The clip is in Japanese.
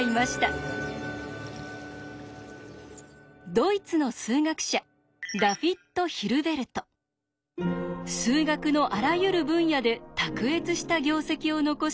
ドイツの数学者数学のあらゆる分野で卓越した業績を残し